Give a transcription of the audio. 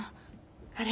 あれ？